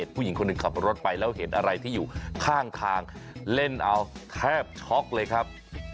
ผู้หญิงคนหนึ่งขับรถไปแล้วเห็นอะไรที่อยู่ข้างทางเล่นเอาแทบช็อกเลยครับ